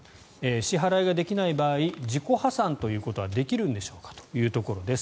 支払いができない場合自己破産ということはできるんでしょうかというところです。